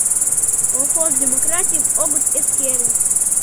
Колхоз демократийым огыт эскере.